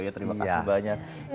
terima kasih banyak